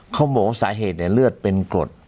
เขาบอกว่าสาเหตุเลือดเป็นกรด